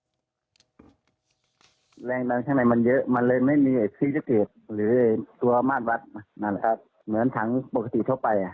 ทรีย์ที่ปฏิเสธแรงดันเช่นในมันเยอะเลยไม่มีพลิเวศเกตกรรมหรือมาวัดเหมือนถังปกติทั่วไป